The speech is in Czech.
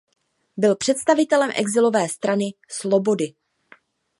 Byl představitelem exilové Strany slobody.